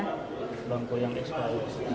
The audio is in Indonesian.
blanko yang expired